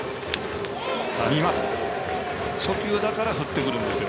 初球だから振ってくるんです。